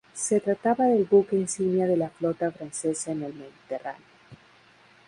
Se trataba del buque insignia de la flota francesa en el Mediterráneo.